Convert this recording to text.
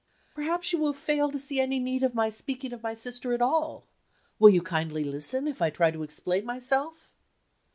"Perhaps you will fail to see any need of my speaking of my sister at all? Will you kindly listen, if I try to explain myself?"